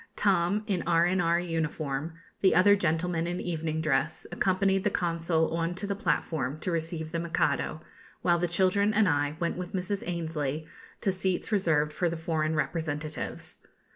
Tom in R.N.R. uniform, the other gentlemen in evening dress, accompanied the Consul on to the platform to receive the Mikado; while the children and I went with Mrs. Annesley to seats reserved for the foreign representatives.